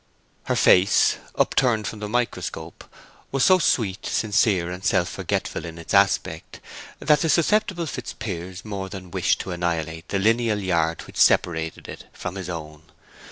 Her face, upturned from the microscope, was so sweet, sincere, and self forgetful in its aspect that the susceptible Fitzpiers more than wished to annihilate the lineal yard which separated it from his own.